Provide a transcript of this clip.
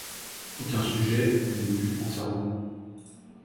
Aucun sujet n'y est vu entièrement.